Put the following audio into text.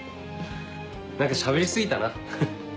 何かしゃべり過ぎたな。